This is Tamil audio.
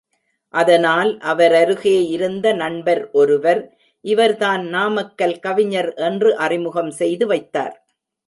அதனால், அவரருகே இருந்த நண்பர் ஒருவர் இவர்தான் நாமக்கல் கவிஞர் என்று அறிமுகம் செய்து வைத்தார்.